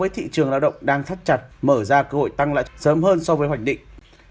thị trường lao động đang thắt chặt mở ra cơ hội tăng lại sớm hơn so với hoạch định